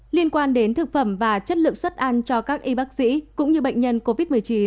liên quan đến thực phẩm và chất lượng xuất ăn cho các y bác sĩ cũng như bệnh nhân covid một mươi chín